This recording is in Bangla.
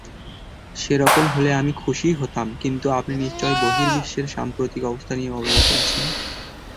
সেরকম হলে আমি খুশিই হতাম কিন্তু আপনি নিশ্চয়ই বহির্বিশ্বের সাম্প্রতিক অবস্থা নিয়ে অবগত আছেন?